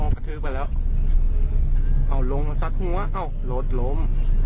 อ๋อตะถือไปแล้วลงมาสักหัวลดลม